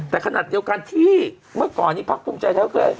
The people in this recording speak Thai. แต่ขนาดเดียวกันที่เมื่อก่อนนี้พรรคภูมิใจแล้ว